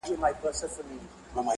• او څلور ناولونه یې چاپ کړل -